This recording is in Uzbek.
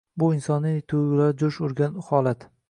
Bu insoniylik tuygʻulari joʻsh urgan holat.